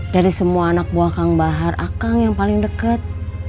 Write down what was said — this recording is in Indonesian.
dari semua anak buah kang bahar akang yang paling dekat